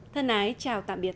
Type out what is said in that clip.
thân ái chào tạm biệt